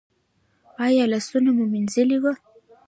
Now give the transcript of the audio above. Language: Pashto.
ایا لاسونه مو مینځلي وو؟